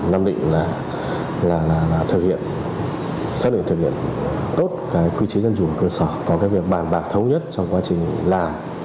nam định là xác định thực hiện tốt cái quy chế dân chủ cơ sở có cái việc bàn bạc thống nhất trong quá trình làm